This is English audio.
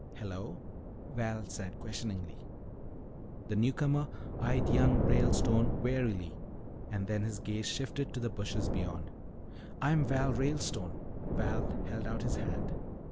"Hello," Val said questioningly. The new comer eyed young Ralestone warily and then his gaze shifted to the bushes beyond. "I'm Val Ralestone." Val held out his hand.